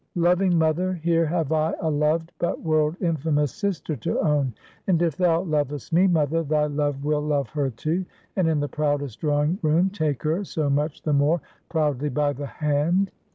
Loving mother, here have I a loved, but world infamous sister to own; and if thou lovest me, mother, thy love will love her, too, and in the proudest drawing room take her so much the more proudly by the hand.